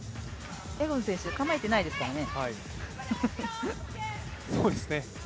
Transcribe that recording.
エゴヌ選手、構えてないですからね。